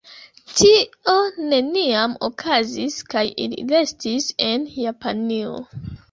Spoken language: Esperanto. Tio neniam okazis, kaj ili restis en Japanio.